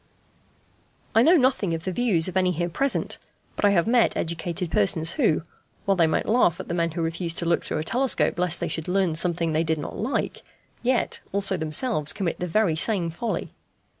I know nothing of the views of any here present; but I have met educated persons who, while they might laugh at the men who refused to look through a telescope lest they should learn something they did not like, yet also themselves commit the very same folly.